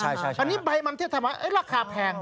อันนี้ใบมันเทศสมัยราคาแพง